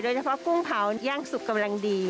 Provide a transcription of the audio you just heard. โดยเฉพาะกุ้งเผาย่างสุกกำลังดี